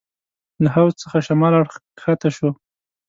له حوض څخه شمال اړخ کښته شوو.